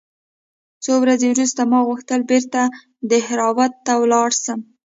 څو ورځې وروسته ما غوښتل بېرته دهراوت ته ولاړ سم.